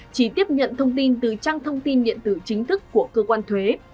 chỉ tiếp nhận thông tin từ trang thông tin điện tử chính thức của cơ quan thuế